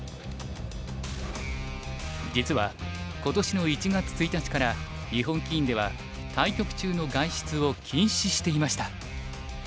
実は今年の１月１日から日本棋院では対局中の外出を禁止していました。